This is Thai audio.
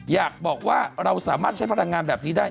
อยากบอกว่าเราสามารถใช้พลังงานแบบนี้ได้